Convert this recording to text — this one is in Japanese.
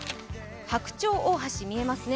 白鳥大橋、見えますね。